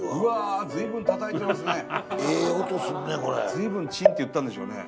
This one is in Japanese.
随分「チーン」って言ったんでしょうね。